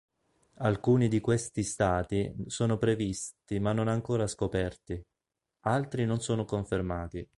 Alcuni di questi stati sono previsti ma non ancora scoperti; altri non sono confermati.